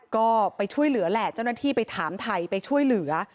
ก็ไปช่วยเหลือแหละเจ้าหน้าที่ไปถามไทยไปช่วยเหลือ